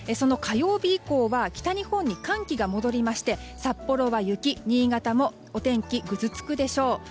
火曜日以降は北日本に寒気が戻りまして札幌は雪、新潟もお天気ぐずつくでしょう。